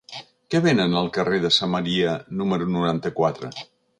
Què venen al carrer de Samaria número noranta-quatre?